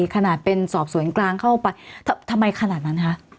ขนาดเป็นสอบสวนกลางเข้าไปทำไมขนาดนั้นคะ